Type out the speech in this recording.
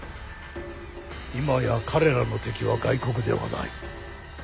今や彼らの敵は外国ではない。